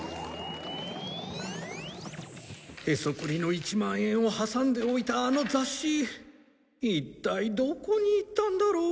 ヘソクリの１万円を挟んでおいたあの雑誌一体どこにいったんだろう